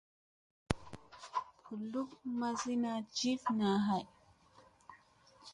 Mbuzlup maŋsina jif naa ɦay.